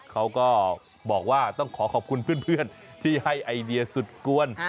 เขาก็บอกว่าต้องขอขอบคุณเพื่อนที่ให้ไอเดียสุดกวน